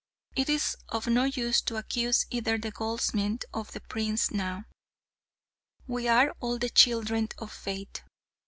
"It is of no use to accuse either the goldsmith or the prince now. We are all the children of fate.